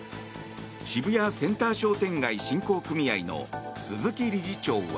渋谷センター商店街振興組合の鈴木理事長は。